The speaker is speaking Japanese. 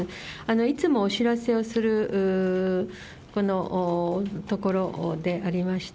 いつもお知らせをするこの所でありまして、